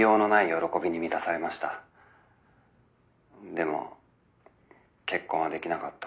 でも結婚はできなかった。